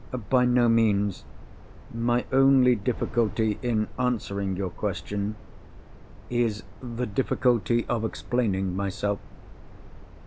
"By no means. My only difficulty in answering your question, is the difficulty of explaining myself.